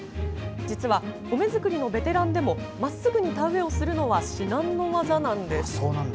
実は米作りのベテランでもまっすぐに田植えをするのは至難の業なんです。